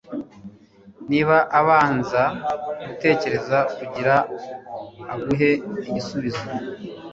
niba abanza gutekereza kugira aguhe igisubizo